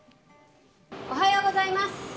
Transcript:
おはようございます。